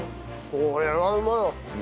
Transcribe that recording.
これはうまい。